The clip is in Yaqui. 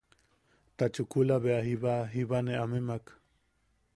Ta chukula be jiba... jiba ne amemak...